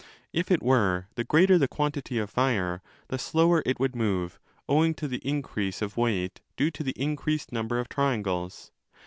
If it were, the greater the quantity of fire the slower it would move, owing to the increase of weight due to the increased number of triangles.